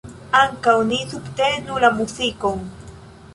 Ankaŭ ni subtenu la muzikon.